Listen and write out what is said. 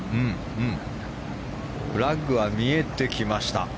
フラッグは見えてきました。